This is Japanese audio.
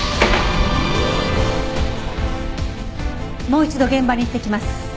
もう一度現場に行ってきます。